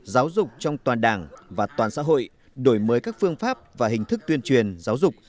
giáo dục trong toàn đảng và toàn xã hội đổi mới các phương pháp và hình thức tuyên truyền giáo dục